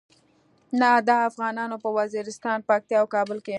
نه د افغانانو په وزیرستان، پکتیا او کابل کې.